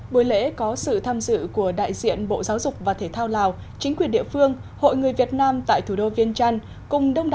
buổi lễ có sự tham dự của đại diện bộ giáo dục và thể thao lào chính quyền địa phương hội người việt nam tại thủ đô viên trăn